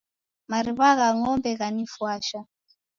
Mariw'agha ng'ombe ghanifwasha.